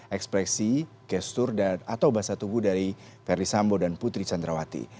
ekspresi gestur atau bahasa tubuh dari verdi sambo dan putri candrawati